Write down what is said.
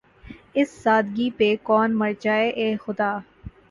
اس سادگی پہ کون مر جائے‘ اے خدا!